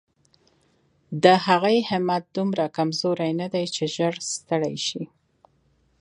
د هغې همت دومره کمزوری نه دی چې ژر ستړې شي.